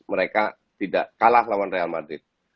mereka tidak kalah lawan real madrid